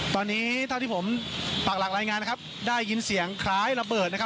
ตอนนี้เท่าที่ผมปากหลักรายงานนะครับได้ยินเสียงคล้ายระเบิดนะครับ